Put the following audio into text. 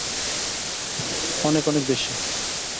অনেক, অনেক বেশি।